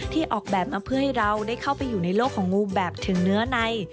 ออกแบบมาเพื่อให้เราได้เข้าไปอยู่ในโลกของงูแบบถึงเนื้อใน